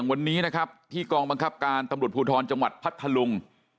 วันนี้นะครับที่กองบังคับการตำรวจภูทรจังหวัดพัทธลุง